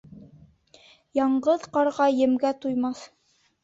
Яңғыҙ ҡарға емгә туймаҫ.